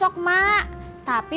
ah apa tadi